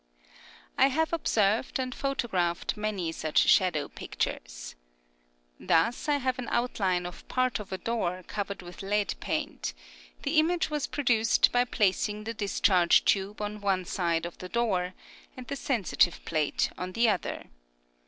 I have observed and photographed many such shadow pictures. Thus, I have an outline of part of a door covered with lead paint ; the image was produced by placing the discharge tube on one side of the door, and the sensitive plate on the other.